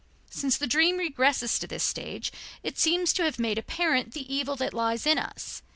Since the dream regresses to this stage, it seems to have made apparent the evil that lies in us.